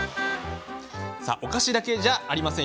お菓子だけじゃありません。